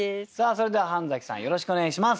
それでは半さんよろしくお願いします。